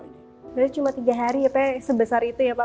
jadi cuma tiga hari ya pak sebesar itu ya pak